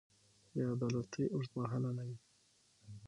بې عدالتي اوږدمهاله نه وي